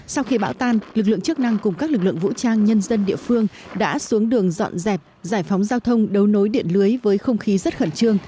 sau khi bão tan lực lượng chức năng cùng các lực lượng vũ trang nhân dân địa phương đã xuống đường dọn dẹp giải phóng giao thông đấu nối điện lưới với không khí rất khẩn trương